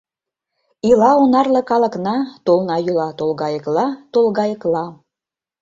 Ила онарле калыкна, Тулна йӱла тулгайыкла, тулгайыкла.